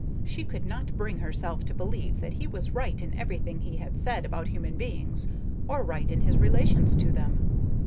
She could not bring herself to believe that he was right in everything he had said about human beings, or right in his relations to them.